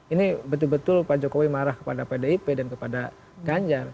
ini betul betul pak jokowi marah kepada pdip dan kepada ganjar